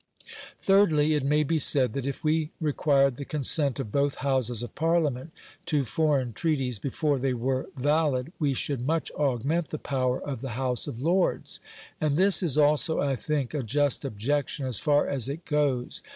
Thirdly, it may be said that if we required the consent of both Houses of Parliament to foreign treaties before they were valid we should much augment the power of the House of Lords. And this is also, I think, a just objection as far as it goes.